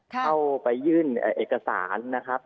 เข้าไปยื่นเอกสารนะครับ